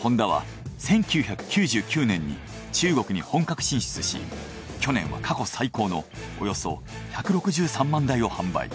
ホンダは１９９９年に中国に本格進出し去年は過去最高のおよそ１６３万台を販売。